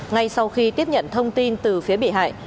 ngay sau khi tiếp nhận thông tin từ phía bị hại